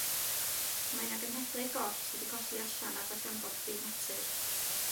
Ma 'na genhedlaeth goll sy' 'di colli allan ar ddarganfod byd natur.